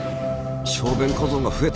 小便小僧が増えた！